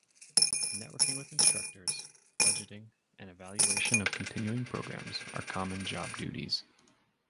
Networking with instructors, budgeting, and evaluation of continuing programs are common job duties.